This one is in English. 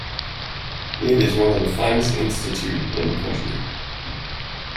It is one of the finest institute in the country.